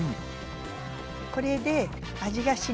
これで味がしみたわよ。